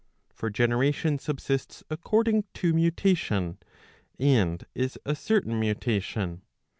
For generation subsists according to mutation, and is a certain mutation.